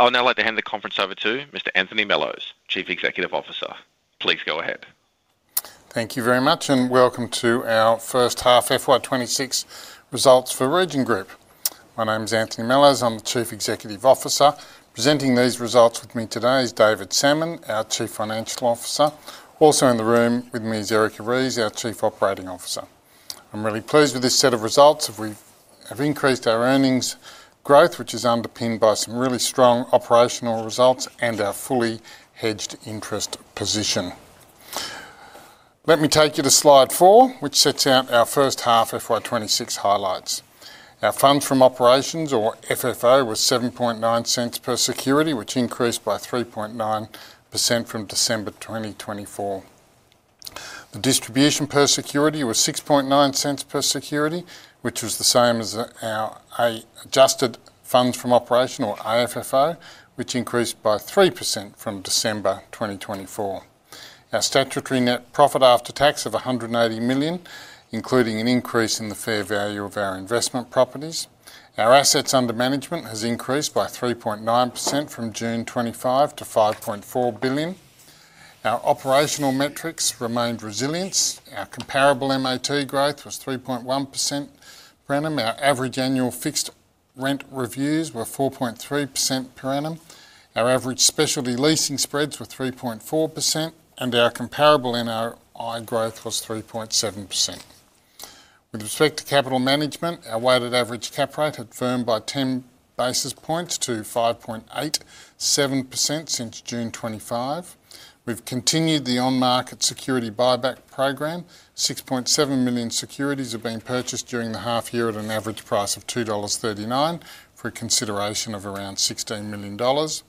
I'll now hand the conference over to Mr. Anthony Mellowes, Chief Executive Officer. Please go ahead. Thank you very much, and welcome to our first half FY 2026 results for Region Group. My name's Anthony Mellowes. I'm the Chief Executive Officer. Presenting these results with me today is David Salmon, our Chief Financial Officer. Also in the room with me is Erica Rees, our Chief Operating Officer. I'm really pleased with this set of results as we've increased our earnings growth, which is underpinned by some really strong operational results and our fully hedged interest position. Let me take you to slide four, which sets out our first half FY 2026 highlights. Our funds from operations, or FFO, were 0.079 per security, which increased by 3.9% from December 2024. The distribution per security was 0.069 per security, which was the same as our adjusted funds from operations, or AFFO, which increased by 3% from December 2024. Our statutory net profit after tax of 180 million, including an increase in the fair value of our investment properties. Our assets under management has increased by 3.9% from June 25 to 5.4 billion. Our operational metrics remained resilient. Our comparable MAT growth was 3.1% per annum. Our average annual fixed rent reviews were 4.3% per annum. Our average specialty leasing spreads were 3.4%, and our comparable NOI growth was 3.7%. With respect to capital management, our weighted average cap rate had firmed by 10 basis points to 5.87% since June 25. We've continued the on-market security buyback program. 6.7 million securities have been purchased during the half year at an average price of 2.39 dollars for a consideration of around 16 million dollars.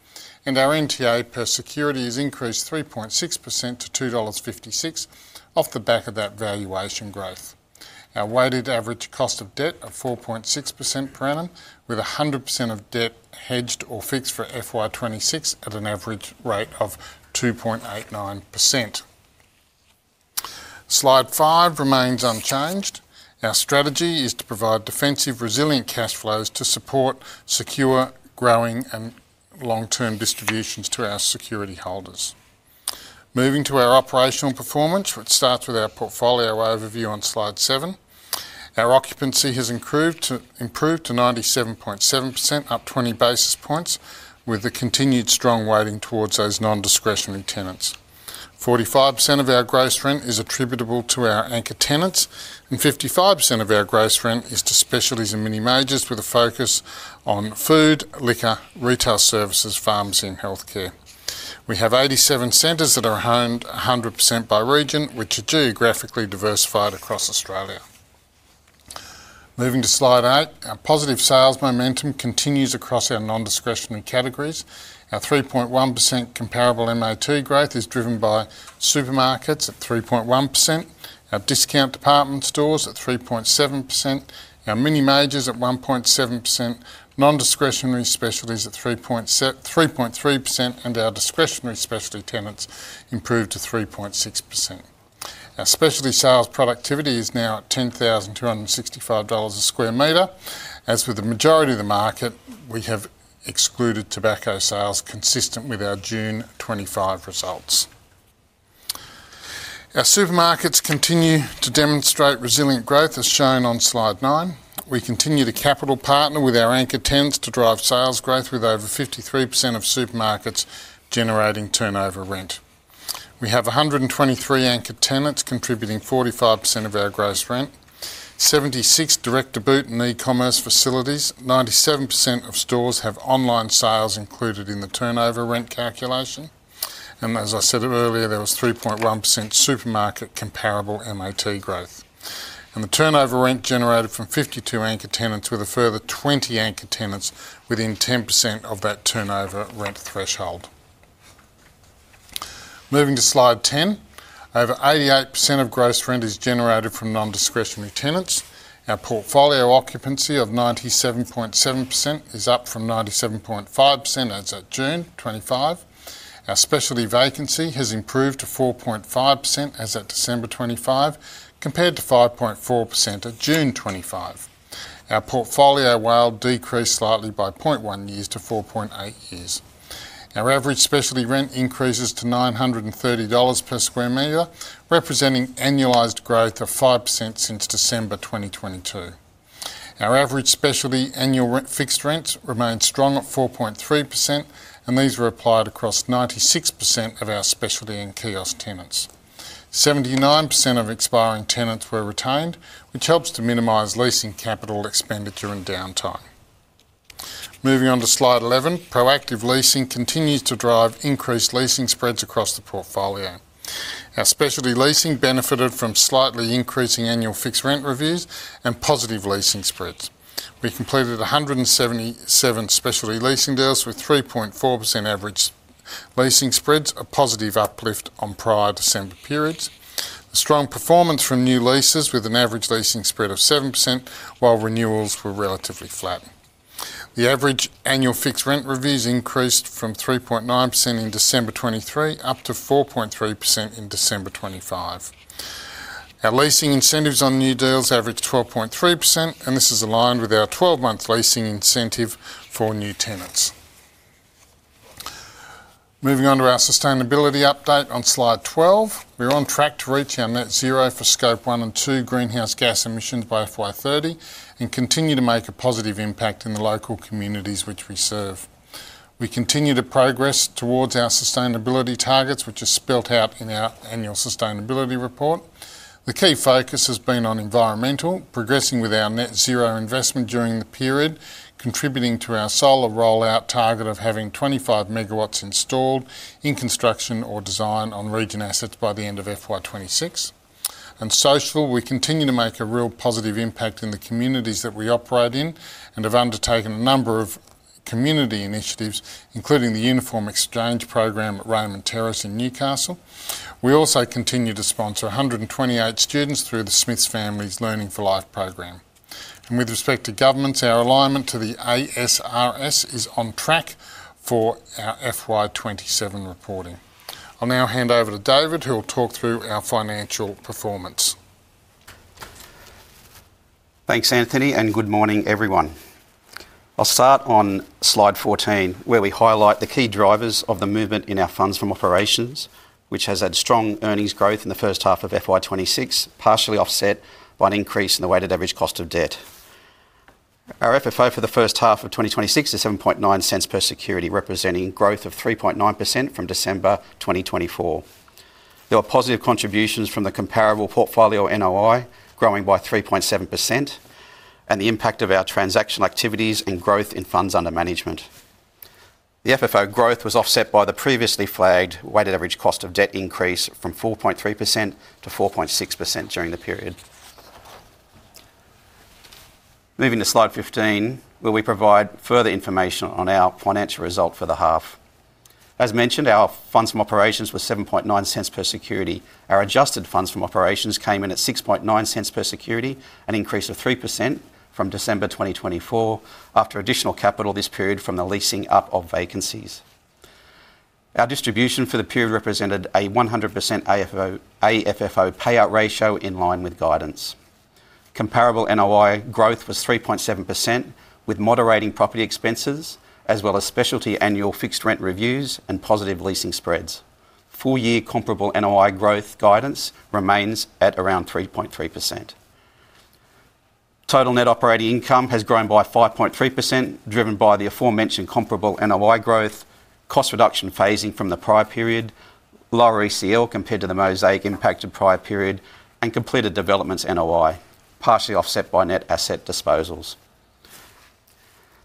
And our NTA per security has increased 3.6% to 2.56 dollars off the back of that valuation growth. Our weighted average cost of debt of 4.6% per annum, with 100% of debt hedged or fixed for FY 2026 at an average rate of 2.89%. Slide five remains unchanged. Our strategy is to provide defensive resilient cash flows to support secure, growing, and long-term distributions to our security holders. Moving to our operational performance, which starts with our portfolio overview on slide seven, our occupancy has improved to 97.7%, up 20 basis points, with the continued strong weighting towards those nondiscretionary tenants. 45% of our gross rent is attributable to our anchor tenants, and 55% of our gross rent is to specialties and mini-majors with a focus on food, liquor, retail services, pharmacies, and healthcare. We have 87 centers that are owned 100% by Region, which are geographically diversified across Australia. Moving to slide eight, our positive sales momentum continues across our nondiscretionary categories. Our 3.1% comparable MAT growth is driven by supermarkets at 3.1%, our discount department stores at 3.7%, our mini-majors at 1.7%, nondiscretionary specialties at 3.73%, and our discretionary specialty tenants improved to 3.6%. Our specialty sales productivity is now at 10,265 dollars a square meter. As with the majority of the market, we have excluded tobacco sales, consistent with our June 25 results. Our supermarkets continue to demonstrate resilient growth, as shown on slide nine. We continue to capital partner with our anchor tenants to drive sales growth, with over 53% of supermarkets generating turnover rent. We have 123 anchor tenants contributing 45% of our gross rent, 76 direct-to-boot and e-commerce facilities, 97% of stores have online sales included in the turnover rent calculation, and as I said earlier, there was 3.1% supermarket comparable MAT growth. The turnover rent generated from 52 anchor tenants with a further 20 anchor tenants within 10% of that turnover rent threshold. Moving to slide 10, over 88% of gross rent is generated from nondiscretionary tenants. Our portfolio occupancy of 97.7% is up from 97.5% as of June 25. Our specialty vacancy has improved to 4.5% as of December 25, compared to 5.4% at June 25. Our portfolio WALE decreased slightly by 0.1 years to 4.8 years. Our average specialty rent increases to 930 dollars per sq m, representing annualized growth of 5% since December 2022. Our average specialty annual rent fixed rents remain strong at 4.3%, and these were applied across 96% of our specialty and kiosk tenants. 79% of expiring tenants were retained, which helps to minimize leasing capital expenditure and downtime. Moving on to slide 11, proactive leasing continues to drive increased leasing spreads across the portfolio. Our specialty leasing benefited from slightly increasing annual fixed rent reviews and positive leasing spreads. We completed 177 specialty leasing deals with 3.4% average specialty leasing spreads, a positive uplift on prior December periods. A strong performance from new lessees, with an average leasing spread of 7% while renewals were relatively flat. The average annual fixed rent reviews increased from 3.9% in December 2023 up to 4.3% in December 2025. Our leasing incentives on new deals averaged 12.3%, and this is aligned with our 12-month leasing incentive for new tenants. Moving on to our sustainability update on slide 12, we're on track to reach our Net Zero for Scope 1 and 2 greenhouse gas emissions by FY 2030 and continue to make a positive impact in the local communities which we serve. We continue to progress towards our sustainability targets, which are spelled out in our annual sustainability report. The key focus has been on environmental, progressing with our Net Zero investment during the period, contributing to our solar rollout target of having 25 megawatts installed in construction or design on Region assets by the end of FY 2026. Social, we continue to make a real positive impact in the communities that we operate in and have undertaken a number of community initiatives, including the Uniform Exchange Program at Raymond Terrace in Newcastle. We also continue to sponsor 128 students through The Smith Family Learning for Life Program. With respect to governments, our alignment to the ASRS is on track for our FY 2027 reporting. I'll now hand over to David, who'll talk through our financial performance. Thanks, Anthony, and good morning, everyone. I'll start on slide 14, where we highlight the key drivers of the movement in our funds from operations, which has had strong earnings growth in the first half of FY 2026, partially offset by an increase in the weighted average cost of debt. Our FFO for the first half of 2026 is 0.079 per security, representing growth of 3.9% from December 2024. There were positive contributions from the comparable portfolio NOI, growing by 3.7%, and the impact of our transactional activities and growth in funds under management. The FFO growth was offset by the previously flagged weighted average cost of debt increase from 4.3% to 4.6% during the period. Moving to slide 15, where we provide further information on our financial result for the half. As mentioned, our funds from operations were 0.079 per security. Our adjusted funds from operations came in at 0.069 per security, an increase of 3% from December 2024, after additional capital this period from the leasing up of vacancies. Our distribution for the period represented a 100% AFFO payout ratio in line with guidance. Comparable NOI growth was 3.7%, with moderating property expenses as well as specialty annual fixed rent reviews and positive leasing spreads. Four-year comparable NOI growth guidance remains at around 3.3%. Total net operating income has grown by 5.3%, driven by the aforementioned comparable NOI growth, cost reduction phasing from the prior period, lower ECL compared to the Mosaic-impacted prior period, and completed developments NOI, partially offset by net asset disposals.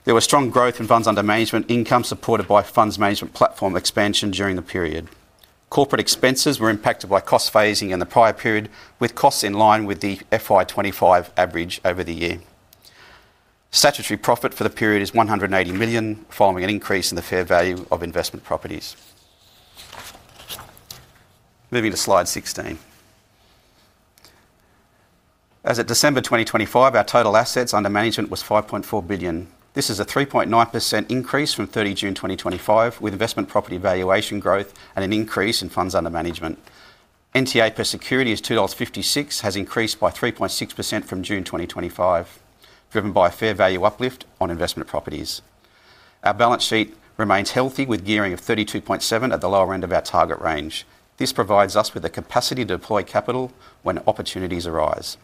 There was strong growth in funds under management income supported by funds management platform expansion during the period. Corporate expenses were impacted by cost phasing in the prior period, with costs in line with the FY 2025 average over the year. Statutory profit for the period is 180 million, following an increase in the fair value of investment properties. Moving to slide 16. As of December 2025, our total assets under management was 5.4 billion. This is a 3.9% increase from 30 June 2025, with investment property valuation growth and an increase in funds under management. NTA per security is 2.56 dollars, has increased by 3.6% from June 2025, driven by a fair value uplift on investment properties. Our balance sheet remains healthy, with gearing of 32.7 at the lower end of our target range. This provides us with the capacity to deploy capital when opportunities arise.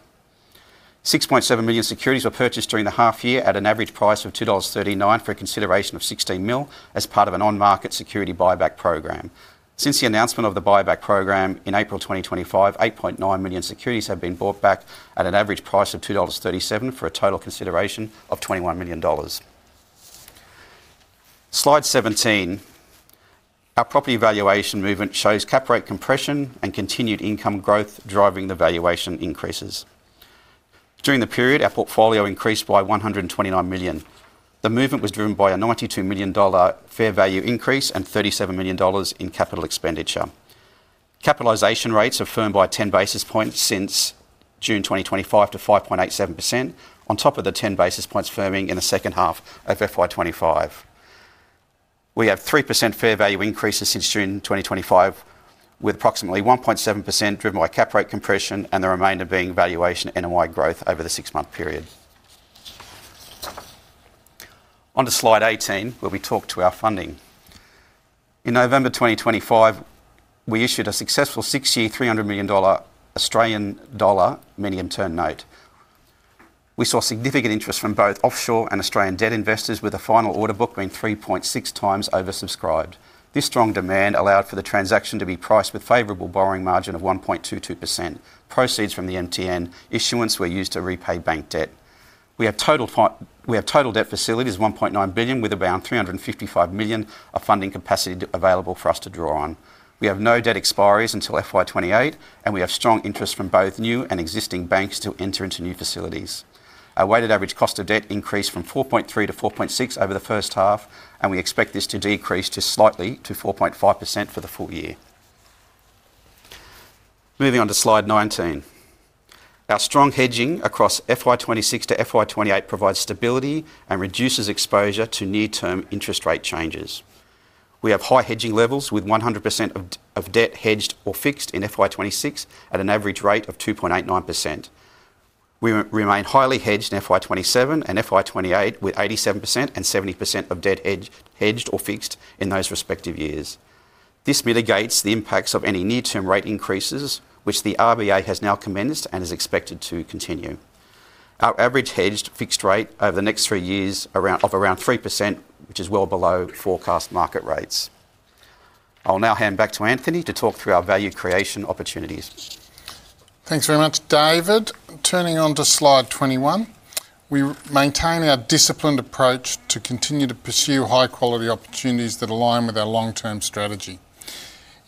6.7 million securities were purchased during the half year at an average price of 2.39 dollars for a consideration of 16 million as part of an on-market security buyback program. Since the announcement of the buyback program in April 2025, 8.9 million securities have been bought back at an average price of 2.37 dollars for a total consideration of 21 million dollars. Slide 17. Our property valuation movement shows cap rate compression and continued income growth driving the valuation increases. During the period, our portfolio increased by 129 million. The movement was driven by a 92 million dollar fair value increase and 37 million dollars in capital expenditure. Capitalization rates have firmed by 10 basis points since June 2025 to 5.87%, on top of the 10 basis points firming in the second half of FY 2025. We have 3% fair value increases since June 2025, with approximately 1.7% driven by cap rate compression and the remainder being valuation NOI growth over the six-month period. Onto slide 18, where we talk to our funding. In November 2025, we issued a successful six-year 300 million Australian dollar medium-term note. We saw significant interest from both offshore and Australian debt investors, with a final order book being 3.6x oversubscribed. This strong demand allowed for the transaction to be priced with a favorable borrowing margin of 1.22%. Proceeds from the MTN issuance we use to repay bank debt. We have total debt facilities 1.9 billion, with around 355 million of funding capacity available for us to draw on. We have no debt expiries until FY 2028, and we have strong interest from both new and existing banks to enter into new facilities. Our weighted average cost of debt increased from 4.3%-4.6% over the first half, and we expect this to decrease slightly to 4.5% for the full year. Moving onto slide 19. Our strong hedging across FY 2026 to FY 2028 provides stability and reduces exposure to near-term interest rate changes. We have high hedging levels, with 100% of debt hedged or fixed in FY 2026 at an average rate of 2.89%. We remain highly hedged in FY 2027 and FY 2028, with 87% and 70% of debt hedged or fixed in those respective years. This mitigates the impacts of any near-term rate increases, which the RBA has now commenced and is expected to continue. Our average hedged fixed rate over the next three years is of around 3%, which is well below forecast market rates. I'll now hand back to Anthony to talk through our value creation opportunities. Thanks very much, David. Turning onto slide 21. We maintain our disciplined approach to continue to pursue high-quality opportunities that align with our long-term strategy.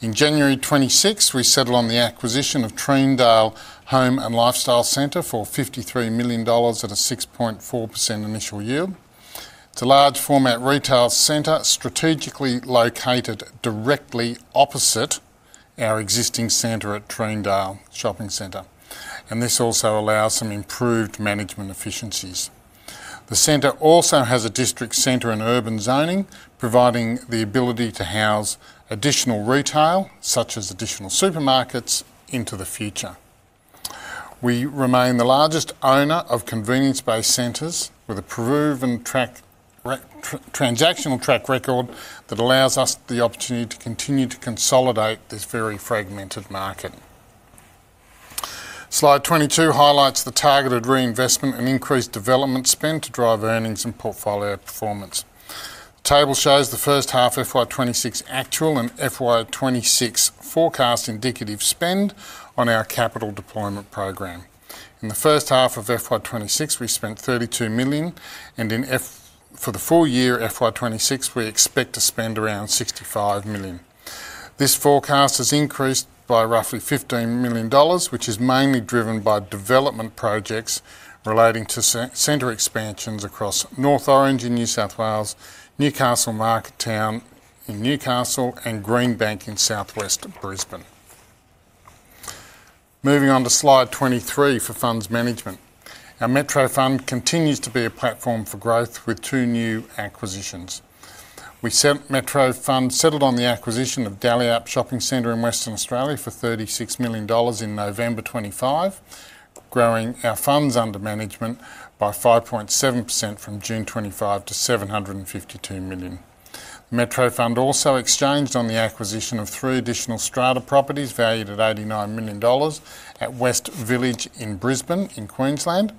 In January 2026, we settled on the acquisition of Treendale Home and Lifestyle Centre for 53 million dollars at a 6.4% initial yield. It's a large-format retail center strategically located directly opposite our existing center at Treendale Shopping Centre, and this also allows some improved management efficiencies. The center also has a district center and urban zoning, providing the ability to house additional retail, such as additional supermarkets, into the future. We remain the largest owner of convenience-based centers, with a proven transactional track record that allows us the opportunity to continue to consolidate this very fragmented market. Slide 22 highlights the targeted reinvestment and increased development spend to drive earnings and portfolio performance. The table shows the first half FY 2026 actual and FY 2026 forecast indicative spend on our capital deployment program. In the first half of FY 2026, we spent 32 million, and for the full year FY 2026, we expect to spend around 65 million. This forecast has increased by roughly 15 million dollars, which is mainly driven by development projects relating to center expansions across North Orange in New South Wales, Newcastle MarketTown in Newcastle, and Greenbank in southwest Brisbane. Moving onto slide 23 for funds management. Our Metro Fund continues to be a platform for growth with two new acquisitions. Metro Fund settled on the acquisition of Dalyellup Shopping Centre in Western Australia for 36 million dollars in November 2025, growing our funds under management by 5.7% from June 2025 to 752 million. Metro Fund also exchanged on the acquisition of three additional strata properties valued at 89 million dollars at West Village in Brisbane in Queensland,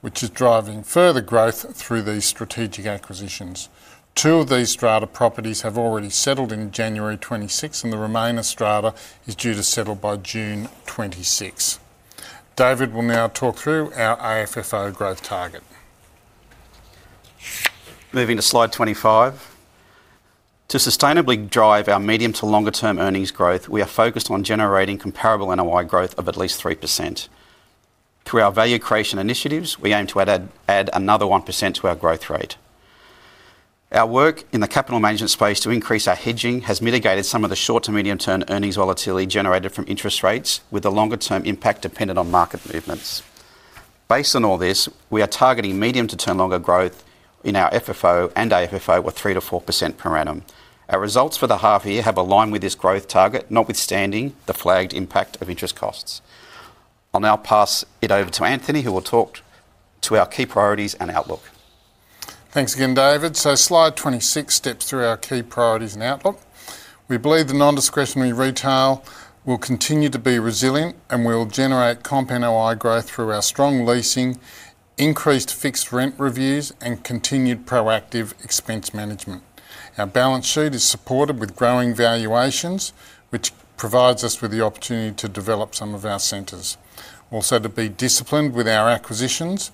which is driving further growth through these strategic acquisitions. Two of these strata properties have already settled in January 2026, and the remainder strata is due to settle by June 2026. David will now talk through our AFFO growth target. Moving to slide 25. To sustainably drive our medium to longer-term earnings growth, we are focused on generating comparable NOI growth of at least 3%. Through our value creation initiatives, we aim to add another 1% to our growth rate. Our work in the capital management space to increase our hedging has mitigated some of the short to medium-term earnings volatility generated from interest rates, with the longer-term impact dependent on market movements. Based on all this, we are targeting medium to longer-term growth in our FFO and AFFO with 3%-4% per annum. Our results for the half year have aligned with this growth target, notwithstanding the flagged impact of interest costs. I'll now pass it over to Anthony, who will talk to our key priorities and outlook. Thanks again, David. Slide 26 steps through our key priorities and outlook. We believe the nondiscretionary retail will continue to be resilient, and we'll generate comp NOI growth through our strong leasing, increased fixed rent reviews, and continued proactive expense management. Our balance sheet is supported with growing valuations, which provides us with the opportunity to develop some of our centers, also to be disciplined with our acquisitions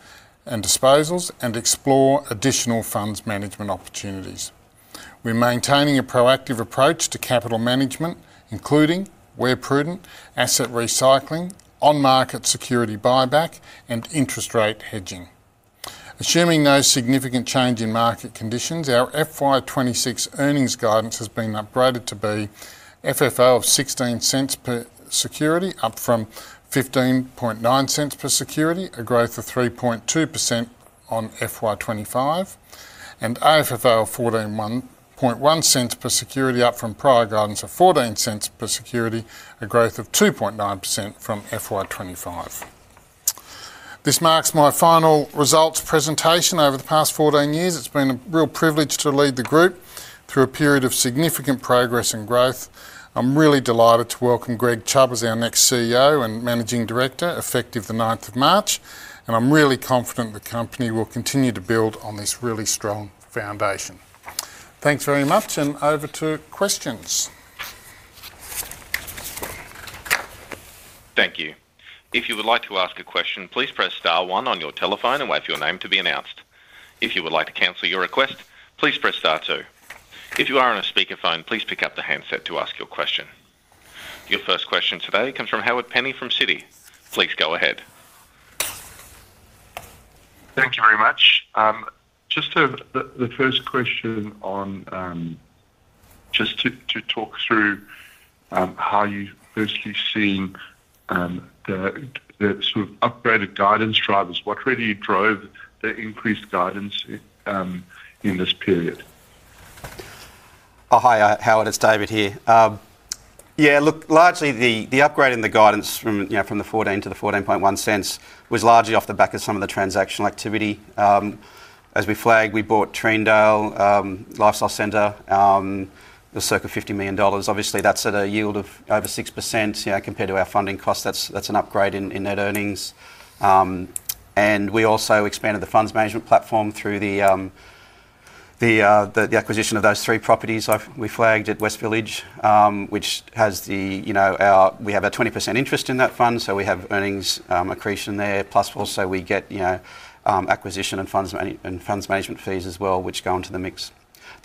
and disposals, and explore additional funds management opportunities. We're maintaining a proactive approach to capital management, including where prudent, asset recycling, on-market security buyback, and interest rate hedging. Assuming no significant change in market conditions, our FY 2026 earnings guidance has been upgraded to be FFO of 0.16 per security, up from 0.159 per security, a growth of 3.2% on FY 2025, and AFFO of AUD 0.141 per security, up from prior guidance of 0.14 per security, a growth of 2.9% from FY 2025. This marks my final results presentation over the past 14 years. It's been a real privilege to lead the group through a period of significant progress and growth. I'm really delighted to welcome Greg Chubb as our next CEO and Managing Director, effective the 9th of March. I'm really confident the company will continue to build on this really strong foundation. Thanks very much, and over to questions. Thank you. If you would like to ask a question, please press star one on your telephone and wait for your name to be announced. If you would like to cancel your request, please press star two. If you are on a speakerphone, please pick up the handset to ask your question. Your first question today comes from Howard Penny from Citi. Please go ahead. Thank you very much. Just the first question on just to talk through how you're firstly seeing the sort of upgraded guidance drivers. What really drove the increased guidance in this period? Hi, Howard. It's David here. Yeah, look, largely the upgrade in the guidance from the 14 cents to the 14.1 cents was largely off the back of some of the transactional activity. As we flagged, we bought Treendale Home and Lifestyle Centre, the circa 50 million dollars. Obviously, that's at a yield of over 6% compared to our funding costs. That's an upgrade in net earnings. And we also expanded the funds management platform through the acquisition of those three properties we flagged at West Village, which has the we have a 20% interest in that fund, so we have earnings accretion there plus four. So we get acquisition and funds management fees as well, which go into the mix.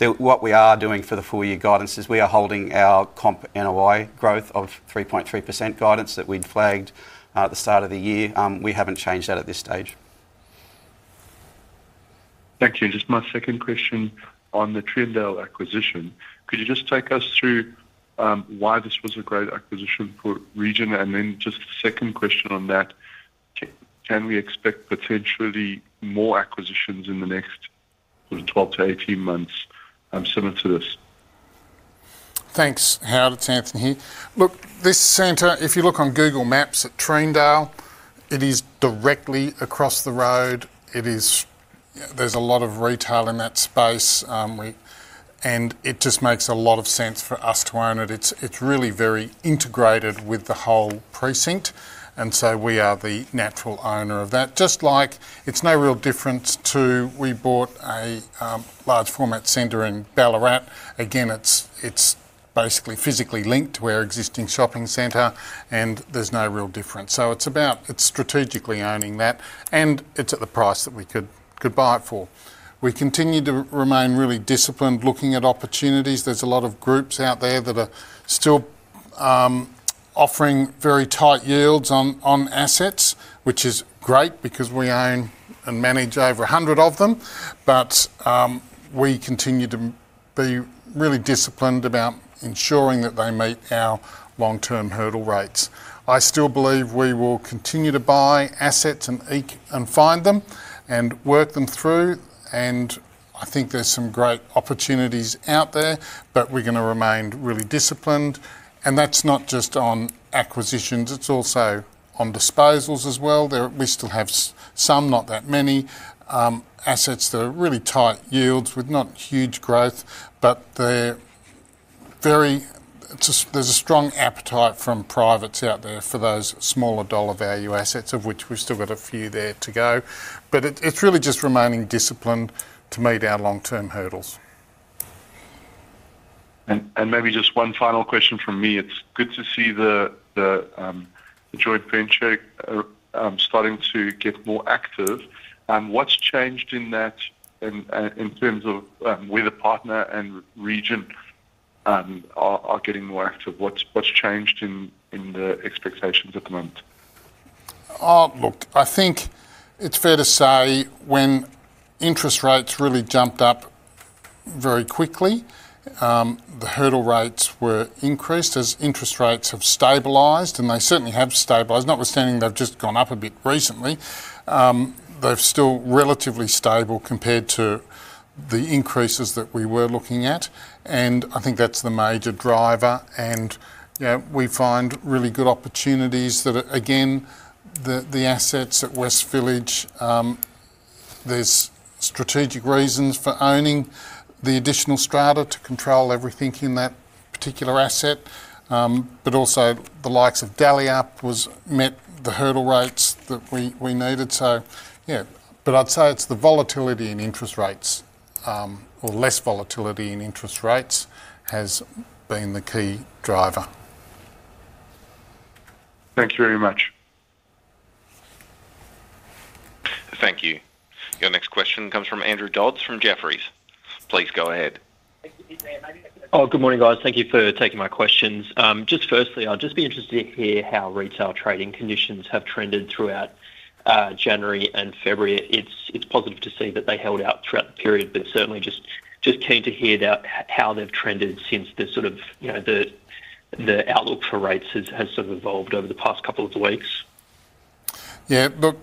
What we are doing for the 4-year guidance is we are holding our comp NOI growth of 3.3% guidance that we'd flagged at the start of the year. We haven't changed that at this stage. Thank you. And just my second question on the Treendale acquisition. Could you just take us through why this was a great acquisition for Region? And then just the second question on that. Can we expect potentially more acquisitions in the next sort of 12-18 months similar to this? Thanks. Howard and Anthony here. Look, this center, if you look on Google Maps at Treendale, it is directly across the road. There's a lot of retail in that space, and it just makes a lot of sense for us to own it. It's really very integrated with the whole precinct, and so we are the natural owner of that. It's no real difference to we bought a large-format center in Ballarat. Again, it's basically physically linked to our existing shopping center, and there's no real difference. So it's strategically owning that, and it's at the price that we could buy it for. We continue to remain really disciplined looking at opportunities. There's a lot of groups out there that are still offering very tight yields on assets, which is great because we own and manage over 100 of them. We continue to be really disciplined about ensuring that they meet our long-term hurdle rates. I still believe we will continue to buy assets and find them and work them through. I think there's some great opportunities out there, but we're going to remain really disciplined. That's not just on acquisitions. It's also on disposals as well. We still have some, not that many, assets that are really tight yields with not huge growth, but there's a strong appetite from privates out there for those smaller dollar-value assets, of which we've still got a few there to go. It's really just remaining disciplined to meet our long-term hurdles. Maybe just one final question from me. It's good to see the joint venture starting to get more active. What's changed in that in terms of whether partner and Region are getting more active? What's changed in the expectations at the moment? Look, I think it's fair to say when interest rates really jumped up very quickly, the hurdle rates were increased. As interest rates have stabilised, and they certainly have stabilised, notwithstanding they've just gone up a bit recently, they're still relatively stable compared to the increases that we were looking at. And I think that's the major driver. And we find really good opportunities that, again, the assets at West Village, there's strategic reasons for owning the additional strata to control everything in that particular asset. But also, the likes of Dalyellup met the hurdle rates that we needed. So yeah. But I'd say it's the volatility in interest rates, or less volatility in interest rates, has been the key driver. Thank you very much. Thank you. Your next question comes from Andrew Dodds from Jefferies. Please go ahead. Oh, good morning, guys. Thank you for taking my questions. Just firstly, I'd just be interested to hear how retail trading conditions have trended throughout January and February. It's positive to see that they held out throughout the period, but certainly just keen to hear how they've trended since the sort of the outlook for rates has sort of evolved over the past couple of weeks. Yeah. Look,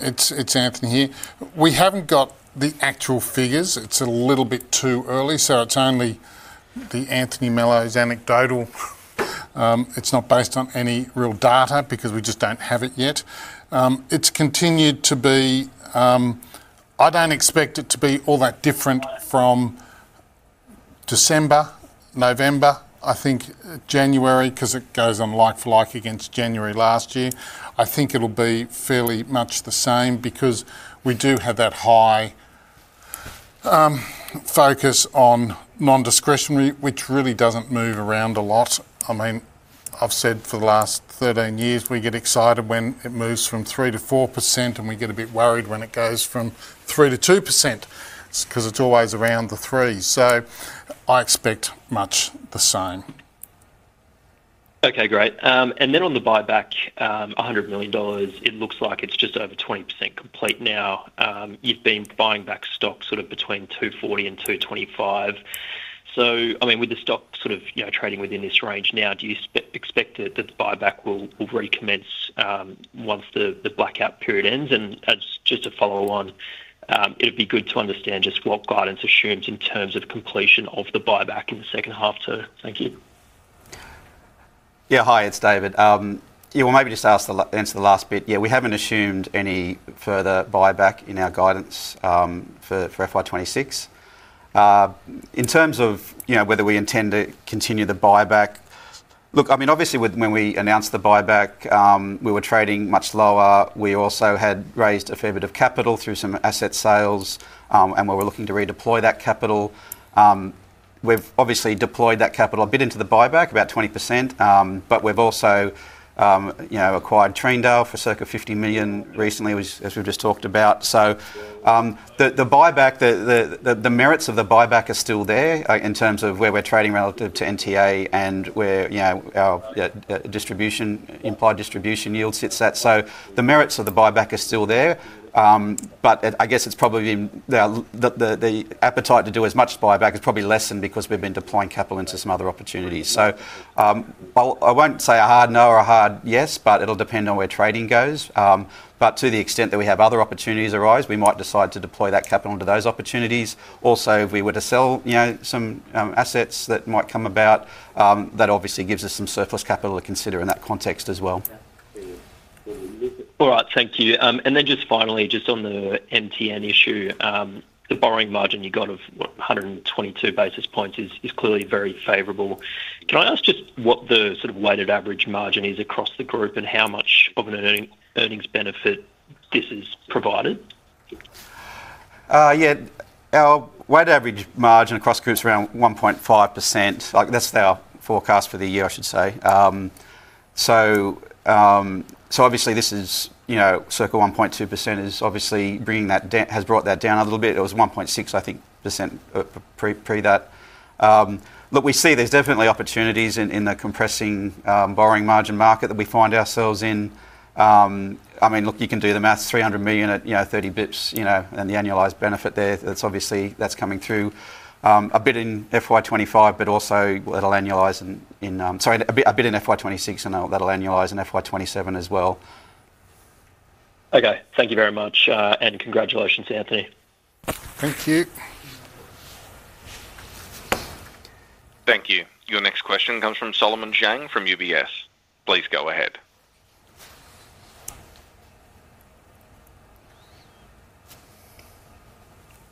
it's Anthony here. We haven't got the actual figures. It's a little bit too early, so it's only the Anthony Mellowes anecdotal. It's not based on any real data because we just don't have it yet. It's continued to be. I don't expect it to be all that different from December, November, I think, January because it goes on like for like against January last year. I think it'll be fairly much the same because we do have that high focus on nondiscretionary, which really doesn't move around a lot. I mean, I've said for the last 13 years, we get excited when it moves from 3%-4%, and we get a bit worried when it goes from 3%-2% because it's always around the 3%. So I expect much the same. Okay. Great. And then on the buyback, 100 million dollars, it looks like it's just over 20% complete now. You've been buying back stock sort of between 240 and 225. So I mean, with the stock sort of trading within this range now, do you expect that the buyback will recommence once the blackout period ends? And just to follow on, it'd be good to understand just what guidance assumes in terms of completion of the buyback in the second half too. Thank you. Yeah. Hi. It's David. Yeah. Well, maybe just answer the last bit. Yeah. We haven't assumed any further buyback in our guidance for FY 2026. In terms of whether we intend to continue the buyback look, I mean, obviously, when we announced the buyback, we were trading much lower. We also had raised a fair bit of capital through some asset sales, and we were looking to redeploy that capital. We've obviously deployed that capital a bit into the buyback, about 20%. But we've also acquired Treendale for circa 50 million recently, as we've just talked about. So the merits of the buyback are still there in terms of where we're trading relative to NTA and where our implied distribution yield sits at. So the merits of the buyback are still there. I guess it's probably the appetite to do as much buyback has probably lessened because we've been deploying capital into some other opportunities. So I won't say a hard no or a hard yes, but it'll depend on where trading goes. But to the extent that we have other opportunities arise, we might decide to deploy that capital into those opportunities. Also, if we were to sell some assets that might come about, that obviously gives us some surplus capital to consider in that context as well. All right. Thank you. And then just finally, just on the MTN issue, the borrowing margin you got of, what, 122 basis points is clearly very favorable. Can I ask just what the sort of weighted average margin is across the group and how much of an earnings benefit this has provided? Yeah. Our weighted average margin across groups is around 1.5%. That's our forecast for the year, I should say. So obviously, this is circa 1.2% is obviously has brought that down a little bit. It was 1.6, I think, percent pre-that. Look, we see there's definitely opportunities in the compressing borrowing margin market that we find ourselves in. I mean, look, you can do the math. 300 million at 30 basis points and the annualized benefit there, that's coming through a bit in FY 2025, but also that'll annualize. Sorry, a bit in FY 2026, and that'll annualize. And FY 2027 as well. Okay. Thank you very much, and congratulations, Anthony. Thank you. Thank you. Your next question comes from Solomon Zhang from UBS. Please go ahead.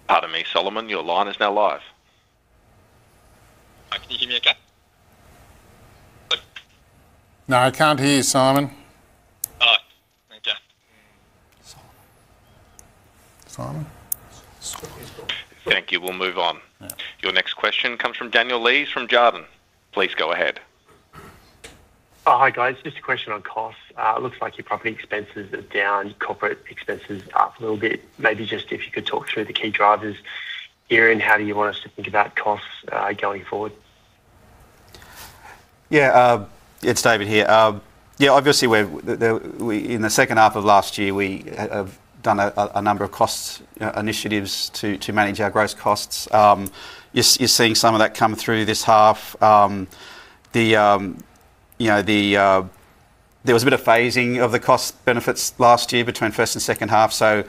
Pardon me, Solomon. Your line is now live. Can you hear me okay? No, I can't hear you, Simon. Oh, okay. Solomon. Solomon? Thank you. We'll move on. Your next question comes from Daniel Lees from Jarden. Please go ahead. Hi, guys. Just a question on costs. It looks like your property expenses are down. Corporate expenses up a little bit. Maybe just if you could talk through the key drivers here and how do you want us to think about costs going forward? Yeah. It's David here. Yeah. Obviously, in the second half of last year, we have done a number of cost initiatives to manage our gross costs. You're seeing some of that come through this half. There was a bit of phasing of the cost benefits last year between first and second half. So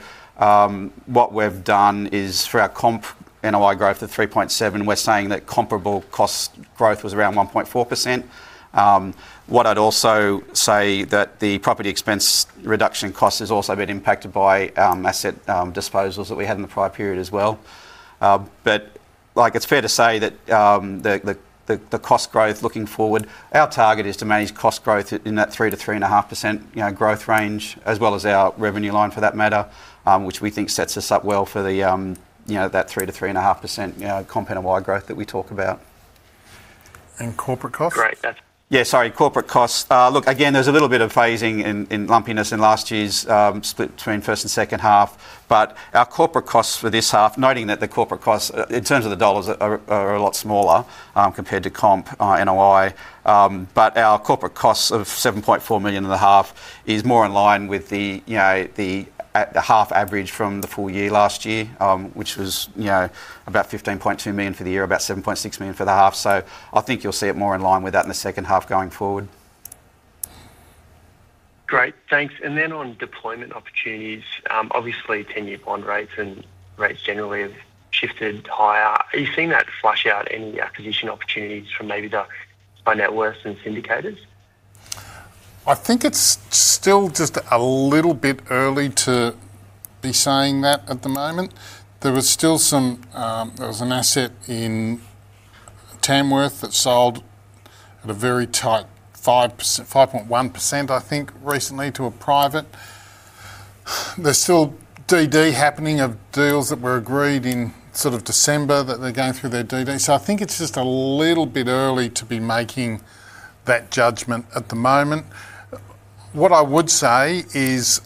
what we've done is for our comp NOI growth at 3.7%, we're saying that comparable cost growth was around 1.4%. What I'd also say that the property expense reduction cost has also been impacted by asset disposals that we had in the prior period as well. It's fair to say that the cost growth looking forward, our target is to manage cost growth in that 3%-3.5% growth range as well as our revenue line for that matter, which we think sets us up well for that 3%-3.5% comp NOI growth that we talk about. Corporate costs? Great. Yeah. Sorry. Corporate costs. Look, again, there's a little bit of phasing and lumpiness in last year's split between first and second half. But our corporate costs for this half, noting that the corporate costs in terms of the dollars are a lot smaller compared to comp NOI. But our corporate costs of 7.4 million and a half is more in line with the half average from the full year last year, which was about 15.2 million for the year, about 7.6 million for the half. So I think you'll see it more in line with that in the second half going forward. Great. Thanks. And then on deployment opportunities, obviously, 10-year bond rates and rates generally have shifted higher. Are you seeing that flush out any acquisition opportunities from maybe the net worth and syndicators? I think it's still just a little bit early to be saying that at the moment. There was an asset in Tamworth that sold at a very tight 5.1%, I think, recently to a private. There's still DD happening of deals that were agreed in sort of December that they're going through their DD. So I think it's just a little bit early to be making that judgment at the moment. What I would say is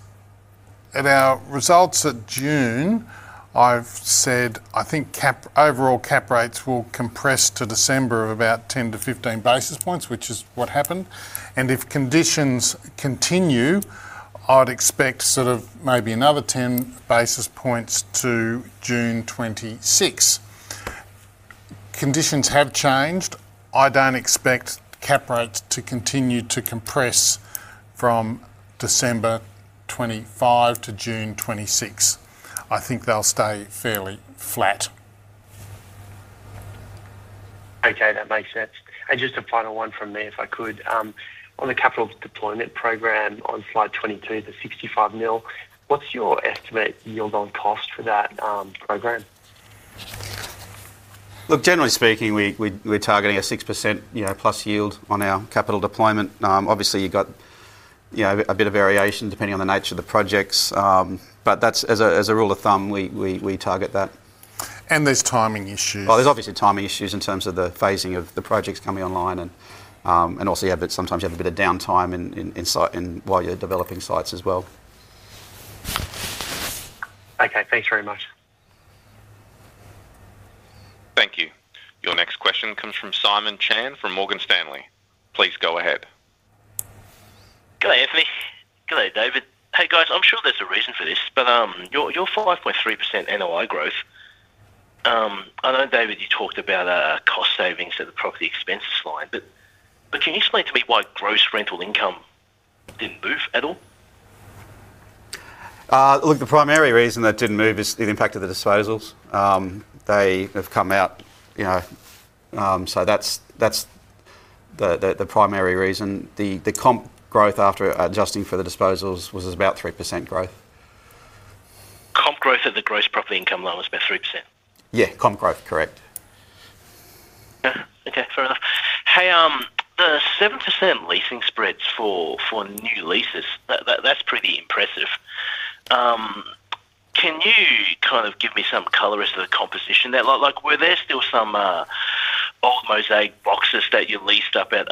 at our results at June, I've said I think overall cap rates will compress to December of about 10-15 basis points, which is what happened. And if conditions continue, I'd expect sort of maybe another 10 basis points to June 2026. Conditions have changed. I don't expect cap rates to continue to compress from December 2025 to June 2026. I think they'll stay fairly flat. Okay. That makes sense. Just a final one from me, if I could. On the capital deployment program on slide 22, the 65 million, what's your estimate yield on cost for that program? Look, generally speaking, we're targeting a 6%+ yield on our capital deployment. Obviously, you've got a bit of variation depending on the nature of the projects. But as a rule of thumb, we target that. There's timing issues. Oh, there's obviously timing issues in terms of the phasing of the projects coming online and also sometimes you have a bit of downtime while you're developing sites as well. Okay. Thanks very much. Thank you. Your next question comes from Simon Chan from Morgan Stanley. Please go ahead. Hello, Anthony. Hello, David. Hey, guys. I'm sure there's a reason for this, but your 5.3% NOI growth. I know, David, you talked about cost savings at the property expenses line. But can you explain to me why gross rental income didn't move at all? Look, the primary reason that didn't move is the impact of the disposals. They have come out. So that's the primary reason. The comp growth after adjusting for the disposals was about 3% growth. Comp growth at the gross property income line was about 3%? Yeah. Comp growth. Correct. Okay. Fair enough. Hey, the 7% leasing spreads for new leases, that's pretty impressive. Can you kind of give me some color on the composition there? Were there still some old Mosaic boxes that you leased up at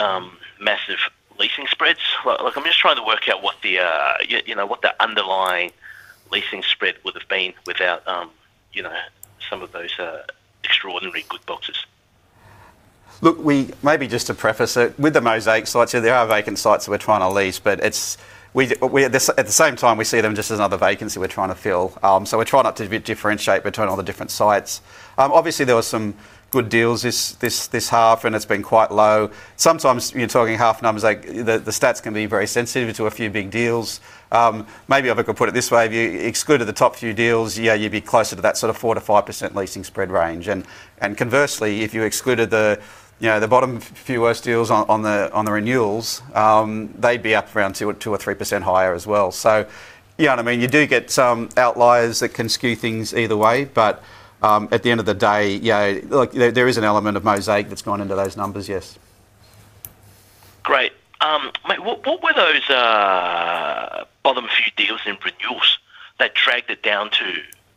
massive leasing spreads? I'm just trying to work out what the underlying leasing spread would have been without some of those extraordinary good boxes. Look, maybe just to preface it, with the Mosaic sites here, there are vacant sites that we're trying to lease. But at the same time, we see them just as another vacancy we're trying to fill. So we're trying not to differentiate between all the different sites. Obviously, there were some good deals this half, and it's been quite low. Sometimes you're talking half numbers. The stats can be very sensitive to a few big deals. Maybe if I could put it this way, if you excluded the top few deals, yeah, you'd be closer to that sort of 4%-5% leasing spread range. And conversely, if you excluded the bottom few worst deals on the renewals, they'd be up around 2%-3% higher as well. So you know what I mean? You do get some outliers that can skew things either way. But at the end of the day, look, there is an element of Mosaic that's gone into those numbers. Yes. Great. What were those bottom few deals in renewals that dragged it down to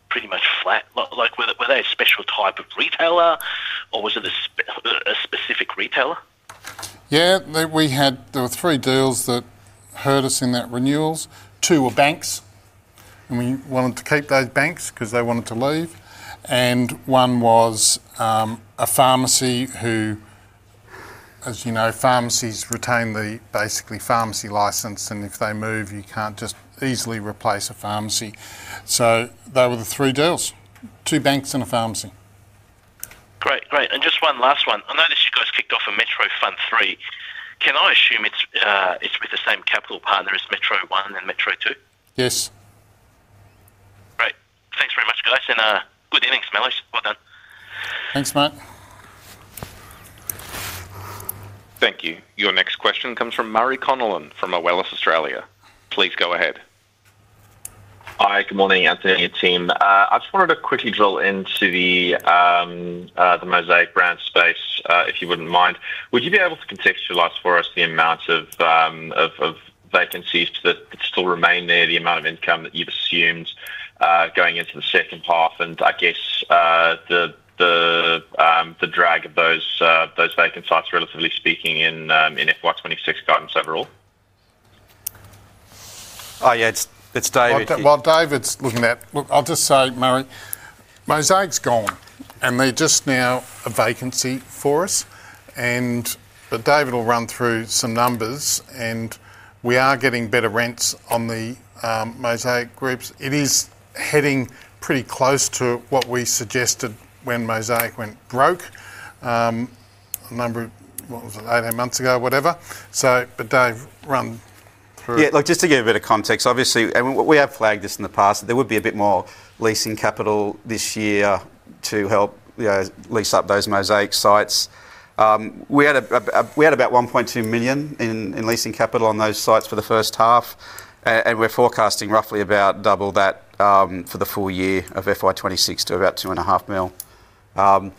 pretty much flat? Were they a special type of retailer, or was it a specific retailer? Yeah. There were three deals that hurt us in that renewals. Two were banks, and we wanted to keep those banks because they wanted to leave. One was a pharmacy who, as you know, pharmacies retain the basically pharmacy license, and if they move, you can't just easily replace a pharmacy. They were the three deals: two banks and a pharmacy. Great. Great. And just one last one. I noticed you guys kicked off on Metro Fund 3. Can I assume it's with the same capital partner as Metro 1 and Metro 2? Yes. Great. Thanks very much, guys, and good innings, Mellowes. Well done. Thanks, Matt. Thank you. Your next question comes from Murray Connellan from Moelis Australia. Please go ahead. Hi. Good morning, Anthony and team. I just wanted to quickly drill into the Mosaic Brands space, if you wouldn't mind. Would you be able to contextualize for us the amount of vacancies that still remain there, the amount of income that you've assumed going into the second half, and I guess the drag of those vacant sites, relatively speaking, in FY 2026 guidance overall? Yeah. It's David. While David's looking at it, I'll just say, Murray, Mosaic's gone, and they're just now a vacancy for us. But David will run through some numbers. And we are getting better rents on the Mosaic groups. It is heading pretty close to what we suggested when Mosaic went broke a number of what was it? 18 months ago, whatever. But Dave, run through. Yeah. Just to give a bit of context, obviously, and we have flagged this in the past, there would be a bit more leasing capital this year to help lease up those Mosaic sites. We had about 1.2 million in leasing capital on those sites for the first half, and we're forecasting roughly about double that for the full year of FY 2026 to about 2.5 million.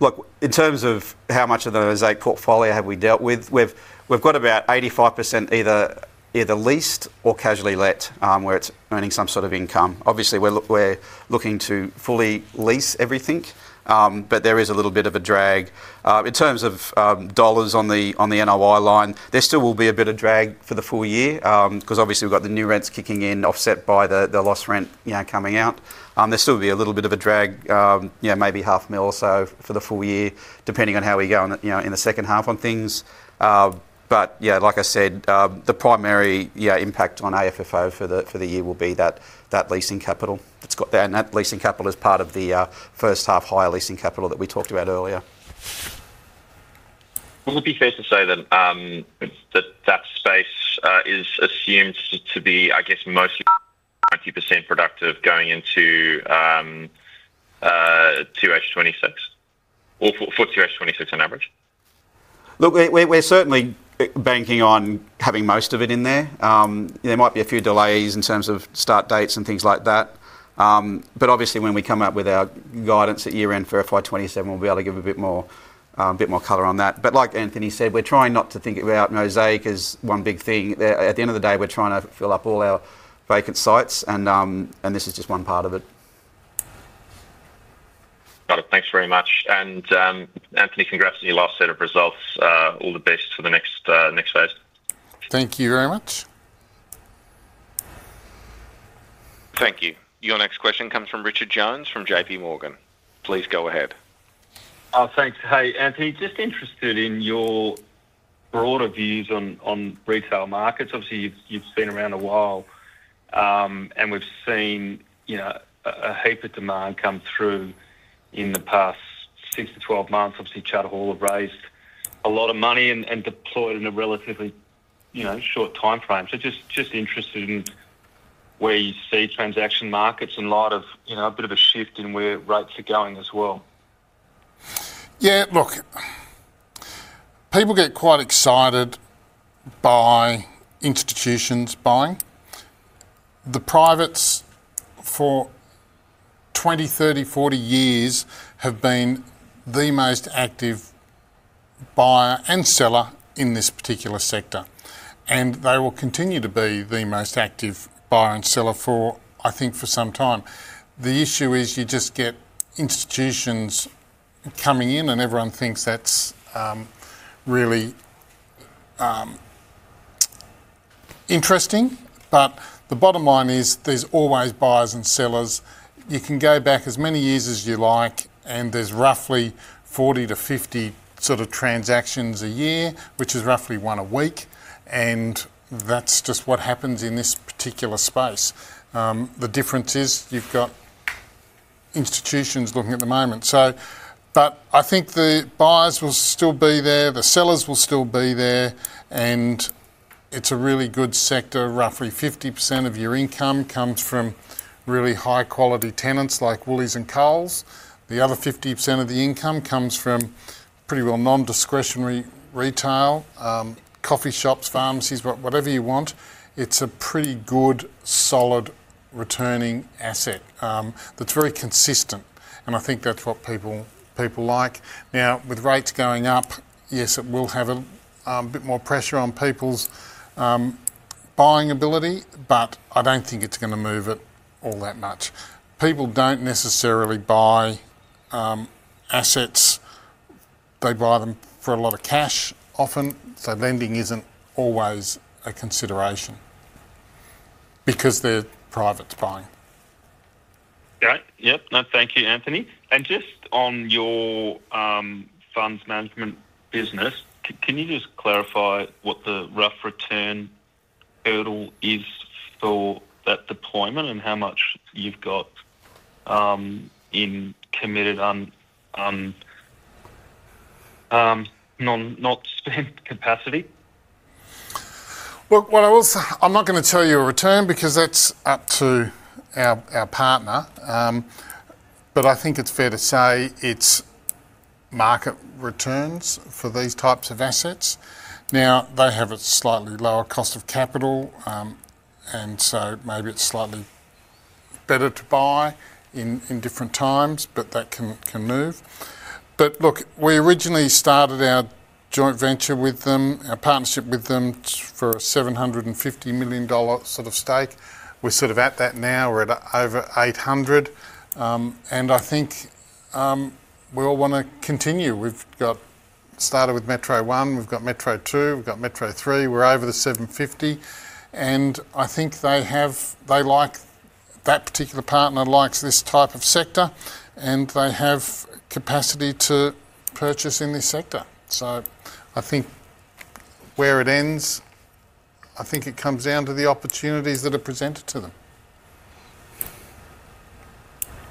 Look, in terms of how much of the Mosaic portfolio have we dealt with, we've got about 85% either leased or casually let where it's earning some sort of income. Obviously, we're looking to fully lease everything, but there is a little bit of a drag. In terms of dollars on the NOI line, there still will be a bit of drag for the full year because obviously, we've got the new rents kicking in offset by the loss rent coming out. There still will be a little bit of a drag, maybe 0.5 million or so for the full year depending on how we go in the second half on things. But yeah, like I said, the primary impact on AFFO for the year will be that leasing capital. And that leasing capital is part of the first half higher leasing capital that we talked about earlier. Would it be fair to say then that that space is assumed to be, I guess, mostly 90% productive going into 2H26 or for 2H26 on average? Look, we're certainly banking on having most of it in there. There might be a few delays in terms of start dates and things like that. But obviously, when we come out with our guidance at year-end for FY 2027, we'll be able to give a bit more color on that. But like Anthony said, we're trying not to think about Mosaic as one big thing. At the end of the day, we're trying to fill up all our vacant sites, and this is just one part of it. Got it. Thanks very much. And Anthony, congrats on your last set of results. All the best for the next phase. Thank you very much. Thank you. Your next question comes from Richard Jones from JPMorgan. Please go ahead. Thanks. Hey, Anthony, just interested in your broader views on retail markets. Obviously, you've been around a while, and we've seen a heap of demand come through in the past 6-12 months. Obviously, Charter Hall have raised a lot of money and deployed in a relatively short timeframe. So just interested in where you see transaction markets in light of a bit of a shift in where rates are going as well. Yeah. Look, people get quite excited by institutions buying. The privates for 20, 30, 40 years have been the most active buyer and seller in this particular sector. And they will continue to be the most active buyer and seller, I think, for some time. The issue is you just get institutions coming in, and everyone thinks that's really interesting. But the bottom line is there's always buyers and sellers. You can go back as many years as you like, and there's roughly 40-50 sort of transactions a year, which is roughly one a week. And that's just what happens in this particular space. The difference is you've got institutions looking at the moment. But I think the buyers will still be there. The sellers will still be there. And it's a really good sector. Roughly 50% of your income comes from really high-quality tenants like Woolies and Coles. The other 50% of the income comes from pretty well nondiscretionary retail: coffee shops, pharmacies, whatever you want. It's a pretty good, solid returning asset that's very consistent. And I think that's what people like. Now, with rates going up, yes, it will have a bit more pressure on people's buying ability, but I don't think it's going to move it all that much. People don't necessarily buy assets. They buy them for a lot of cash often. So lending isn't always a consideration because they're privates buying. Got it. Yep. No, thank you, Anthony. And just on your funds management business, can you just clarify what the rough return hurdle is for that deployment and how much you've got in committed not-spent capacity? Look, I'm not going to tell you a return because that's up to our partner. But I think it's fair to say it's market returns for these types of assets. Now, they have a slightly lower cost of capital, and so maybe it's slightly better to buy in different times, but that can move. But look, we originally started our joint venture with them, our partnership with them for a 750 million dollar sort of stake. We're sort of at that now. We're at over 800 million. And I think we all want to continue. We've started with Metro 1. We've got Metro 2. We've got Metro 3. We're over the 750 million. And I think they like that particular partner likes this type of sector, and they have capacity to purchase in this sector. I think where it ends, I think it comes down to the opportunities that are presented to them.